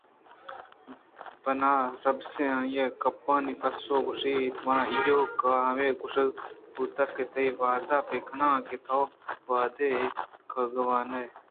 بناربس ءَآئی ءِ گپانی پسو ءَ گوٛشت مناایوک ءَ ہمے گوٛشگ بوتگ کہ تئی ودار ءَ بہ کناں کہ تو وہدے کاگد ءَوانے